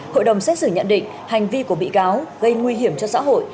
hội đồng xét xử nhận định hành vi của bị cáo gây nguy hiểm cho xã hội